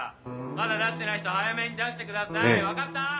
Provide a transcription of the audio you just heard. まだ出してない人早めに出してください。ねぇ。